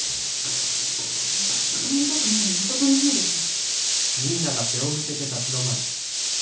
顔見たくないの誠の方でしょ？